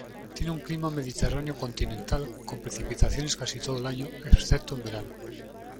Tiene un clima mediterráneo-continental, con precipitaciones casi todo el año excepto en verano.